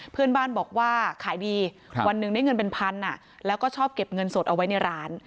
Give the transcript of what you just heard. เพื่อนบ้านบอกว่าขายดีวันหนึ่งได้เงินเป็นพันแล้วก็ชอบเก็บเงินสดเอาไว้ในร้าน